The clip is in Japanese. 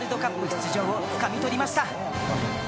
出場をつかみ取りました。